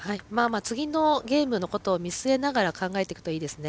次のゲームのことを見据えながら考えていくといいですね。